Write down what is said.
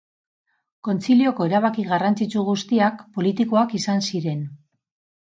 Kontzilioko erabaki garrantzitsu guztiak politikoak izan ziren.